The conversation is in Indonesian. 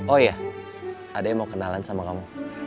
oh ya ada yang mau kenalan sama kamu